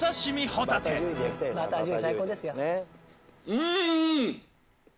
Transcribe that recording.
うん！